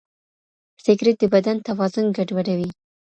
سګریټ د بدن توازن ګډوډوي.